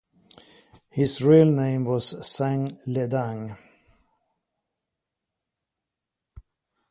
His real name was Sang Ledang.